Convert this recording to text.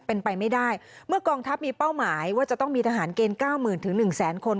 เป็นไปไม่ได้เมื่อกองทัพมีเป้าหมายว่าจะต้องมีทหารเกณฑ์เก้าหมื่นถึง๑แสนคน